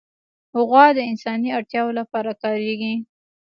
غوا د انساني اړتیاوو لپاره کارېږي.